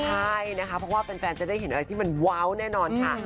ใช่นะคะเพราะว่าแฟนจะได้เห็นอะไรที่มันว้าวแน่นอนค่ะ